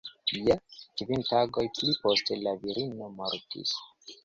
Je kvin tagoj pli poste la virino mortis.